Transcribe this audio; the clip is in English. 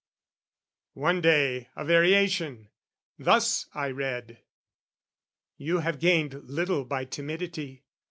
One day, a variation: thus I read: "You have gained little by timidity.